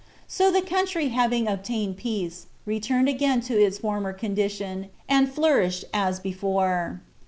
So the country having obtained peace, returned again to its former condition, and flourished as before.